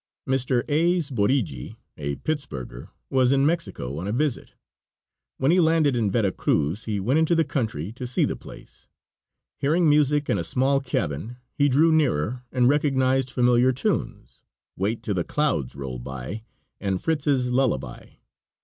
Mr. A. Sborigi, a Pittsburger, was in Mexico on a visit. When he landed in Vera Cruz he went into the country to see the place. Hearing music in a small cabin he drew nearer and recognized familiar tunes. "Wait till the clouds roll by," and Fritz's lullaby.